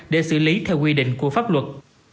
để xử lý theo quy định của pháp luật